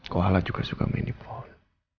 koala juga suka main di pohon